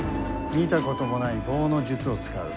見たこともない棒の術を使う。